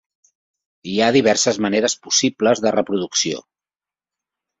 Hi ha diverses maneres possibles de reproducció.